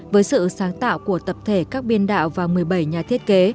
với sự sáng tạo của tập thể các biên đạo và một mươi bảy nhà thiết kế